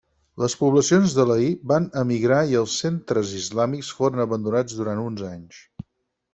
Les poblacions de l'Aïr van emigrar i els centres islàmics foren abandonats durant uns anys.